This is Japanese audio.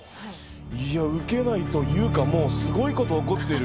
いやうけないというかもうすごいこと起こってる！